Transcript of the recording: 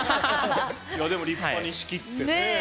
いやでも立派に仕切ってねえ。